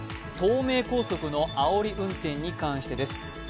東名高速のあおり運転に関してです。